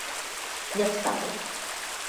一首